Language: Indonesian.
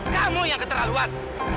kamu yang keterlaluan